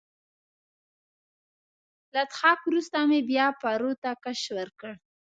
له څښاکه وروسته مې بیا پارو ته کش ورکړ.